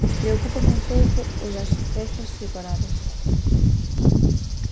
Preocúpame un pouco o das peza separadas.